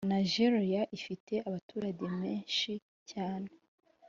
Nageria ifite abaturange meshyi cyane